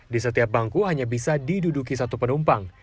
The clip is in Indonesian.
di setiap bangku hanya bisa diduduki satu penumpang